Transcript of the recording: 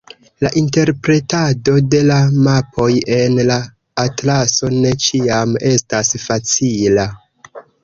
La interpretado de la mapoj en la atlaso ne ĉiam estas facila.